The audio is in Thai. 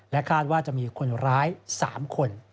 คาดว่าจะมีคนร้าย๓คน